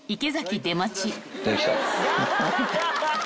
出てきた。